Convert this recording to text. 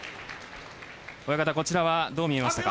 こちらはどう見えましたか？